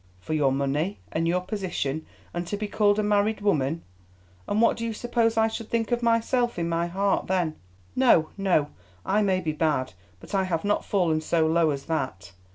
For your money and your position, and to be called a married woman, and what do you suppose I should think of myself in my heart then? No, no, I may be bad, but I have not fallen so low as that.